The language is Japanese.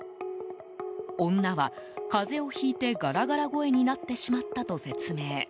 女は、風邪をひいてガラガラ声になってしまったと説明。